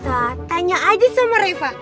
perawatannya aja sama reva